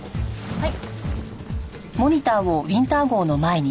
はい。